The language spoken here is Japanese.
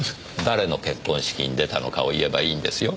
誰の結婚式に出たのかを言えばいいんですよ。